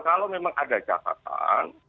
kalau memang ada catatan